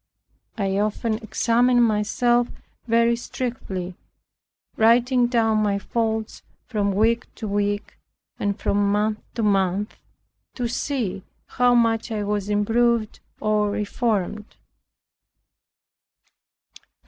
I often examined myself very strictly, writing down my faults from week to week, and from month to month, to see how much I was improved or reformed.